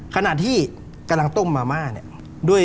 ขณะที่กำลังต้มมาม่าเนี่ย